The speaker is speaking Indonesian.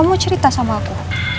kamu cerita sama aku